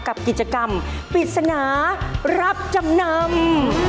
กับกิจกรรมปริศนารับจำนำ